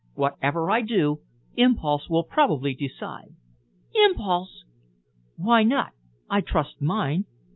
Whatever I do, impulse will probably decide." "Impulse!" "Why not? I trust mine.